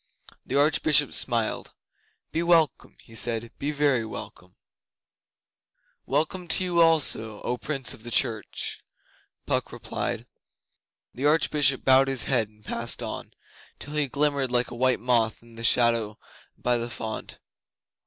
The Archbishop smiled. 'Be welcome,' said he. 'Be very welcome.' 'Welcome to you also, O Prince of the church,' Puck replied. The Archbishop bowed his head and passed on, till he glimmered like a white moth in the shadow by the font.